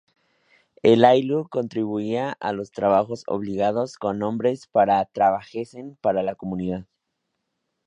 El ayllu contribuía a los trabajos obligados con hombres para trabajasen para la comunidad.